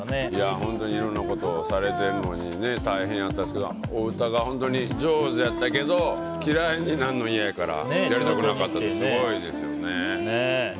本当にいろんなことをされていて大変やったですけどお歌が上手やったんですけど嫌いになるのは嫌やからやりたくなかったってすごいですよね。